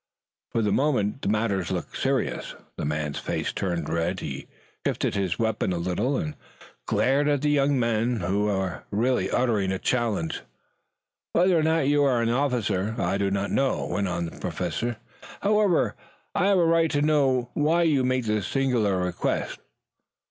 For the moment matters looked serious. The man's face turned red. He shifted his weapon a little and glared at the young man who had really uttered a challenge. "Whether or not you are an officer I do not know," went on the Professor. "However, I have a right to know why you make this singular request."